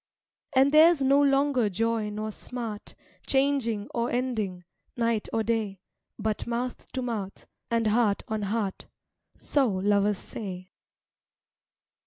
And theirs no longer joy nor smart, Changing or ending, night or day; But mouth to mouth, and heart on heart, So lovers say.